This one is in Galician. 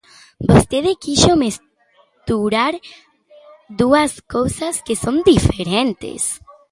Vostede quixo mesturar dúas cousas que son diferentes.